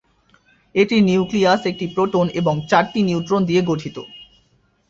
এটির নিউক্লিয়াস একটি প্রোটন এবং চারটি নিউট্রন নিয়ে গঠিত।